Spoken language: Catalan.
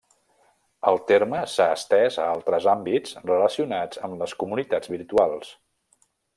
El terme s'ha estès a altres àmbits relacionats amb les comunitats virtuals.